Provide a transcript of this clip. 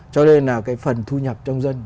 cho nên là cái phần thu nhập trong dân